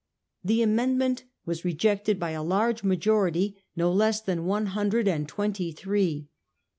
The amendment was rejected by a large majority, no less than one hundred and twenty three.